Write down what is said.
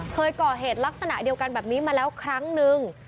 เคยก่อเหตุลักษณะเดียวกันแบบนี้มาแล้วครั้งนึง